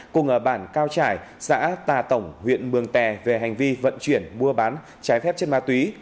cùng ở bản cao trải xã tà tổng huyện mường tè về hành vi vận chuyển mua bán trái phép chất ma túy